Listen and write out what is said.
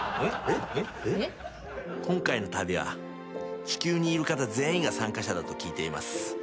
今回の旅は地球にいる方全員が参加者だと聞いています。